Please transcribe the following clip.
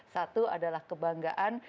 satu adalah kebanggaan